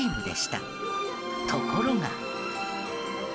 ところが。